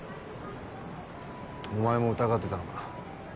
お前も疑ってたのか？